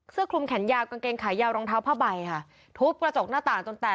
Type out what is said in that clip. คลุมแขนยาวกางเกงขายาวรองเท้าผ้าใบค่ะทุบกระจกหน้าต่างจนแตก